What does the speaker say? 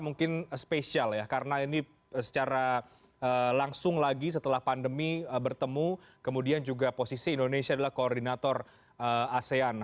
mungkin spesial ya karena ini secara langsung lagi setelah pandemi bertemu kemudian juga posisi indonesia adalah koordinator asean